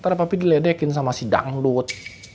ntar apa diledekin sama si dangdut